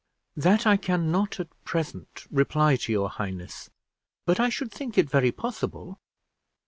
"That I can not at present reply to your highness; but I should think it very possible."